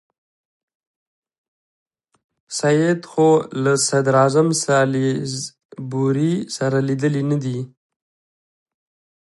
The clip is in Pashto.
سید خو له صدراعظم سالیزبوري سره لیدلي نه دي.